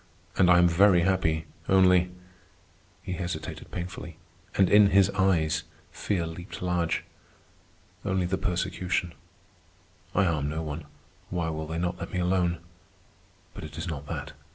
And I am very happy, only ..." he hesitated painfully, and in his eyes fear leaped large. "Only the persecution. I harm no one. Why will they not let me alone? But it is not that.